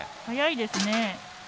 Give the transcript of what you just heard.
早いですね。